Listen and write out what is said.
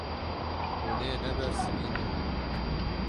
Hûn ê nebersivînin.